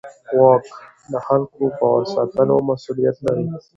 واک د خلکو د باور ساتلو مسؤلیت لري.